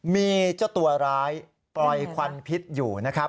มีเจ้าตัวร้ายปล่อยควันพิษอยู่นะครับ